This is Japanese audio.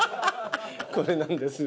これなんです。